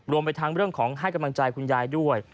ไปทั้งเรื่องของให้กำลังใจคุณยายด้วย